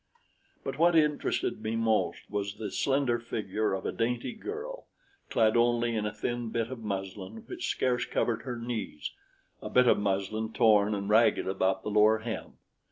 But what interested me most was the slender figure of a dainty girl, clad only in a thin bit of muslin which scarce covered her knees a bit of muslin torn and ragged about the lower hem.